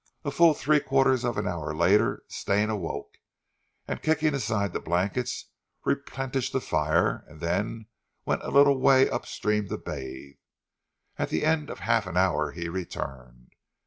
A full three quarters of an hour later Stane awoke, and kicking aside the blankets, replenished the fire, and then went a little way upstream to bathe. At the end of half an hour he returned.